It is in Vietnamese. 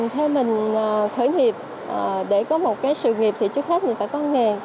theo mình khởi nghiệp để có một cái sự nghiệp thì trước hết mình phải có nghề